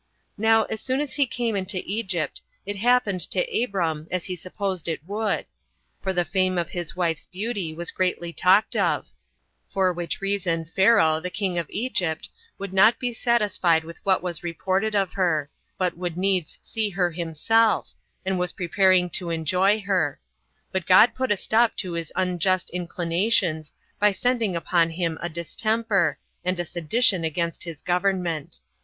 Now, as soon as he came into Egypt, it happened to Abram as he supposed it would; for the fame of his wife's beauty was greatly talked of; for which reason Pharaoh, the king of Egypt, would not be satisfied with what was reported of her, but would needs see her himself, and was preparing to enjoy her; but God put a stop to his unjust inclinations, by sending upon him a distemper, and a sedition against his government.